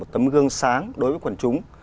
tấm gương sáng đối với quần chúng